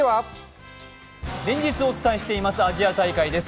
連日お伝えしていますアジア大会です。